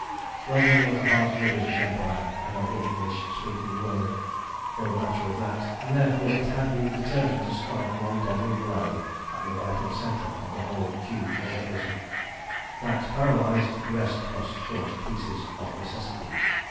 London was the heart of the British Empire and of the English speaking world, for the matter of that, and therefore it had been determined to strike one deadly blow at the vital centre of the whole huge organism. That paralysed, the rest must fall to pieces of necessity.